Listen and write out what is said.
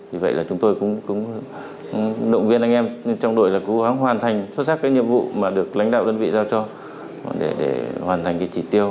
vì vậy là chúng tôi cũng động viên anh em trong đội là cố gắng hoàn thành xuất sắc các nhiệm vụ mà được lãnh đạo đơn vị giao cho để hoàn thành cái chỉ tiêu